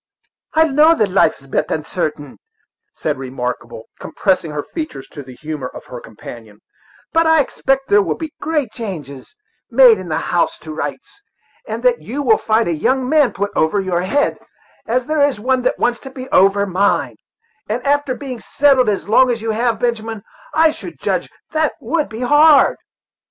"I know that life is disp'ut unsartain," said Remarkable, compressing her features to the humor of her companion; "but I expect there will be great changes made in the house to rights; and that you will find a young man put over your head, as there is one that wants to be over mine; and after having been settled as long as you have, Benjamin, I should judge that to be hard."